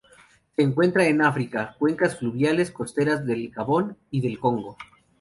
Se encuentran en África: cuencas fluviales costeras del Gabón y del Congo.